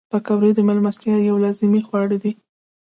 پکورې د میلمستیا یو لازمي خواړه دي